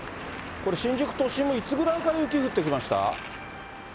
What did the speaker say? これ、新宿都心もいつぐらいから雪降ってきました？